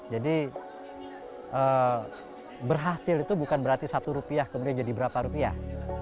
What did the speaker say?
jadi berhasil itu bukan berarti satu rupiah kemudian menjadi berapa rupiah